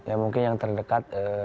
ya mungkin yang terdekat